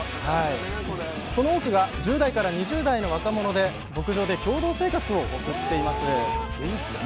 その多くが１０代から２０代の若者で牧場で共同生活を送っています